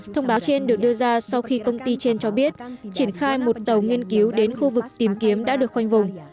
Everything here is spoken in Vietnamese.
thông báo trên được đưa ra sau khi công ty trên cho biết triển khai một tàu nghiên cứu đến khu vực tìm kiếm đã được khoanh vùng